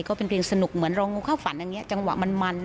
ก็เป็นเพลงสนุกเหมือนรองูเข้าฝันอย่างนี้จังหวะมันมัน